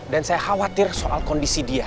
dan saya khawatir soal kondisi dia